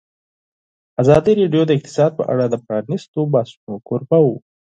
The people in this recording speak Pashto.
ازادي راډیو د اقتصاد په اړه د پرانیستو بحثونو کوربه وه.